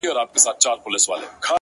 ستا خو جانانه د رڼا خبر په لـپـه كي وي ـ